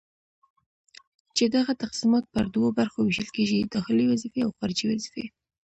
چي دغه تقسيمات پر دوو برخو ويشل کيږي:داخلي وظيفي او خارجي وظيفي